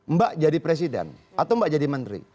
mbak jadi presiden atau mbak jadi menteri